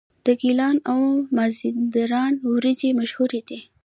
د ګیلان او مازندران وریجې مشهورې دي.